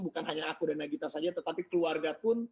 bukan hanya aku dan nagita saja tetapi keluarga pun